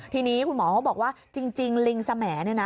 ทีนี้คุณหมอเขาบอกว่าจริงลิงสแหมดเนี่ยนะ